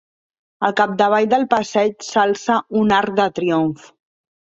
Al capdavall del passeig s'alça un arc de triomf.